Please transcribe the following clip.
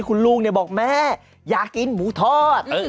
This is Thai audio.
คุณลุงบอกแม่อยากกินหมูทอด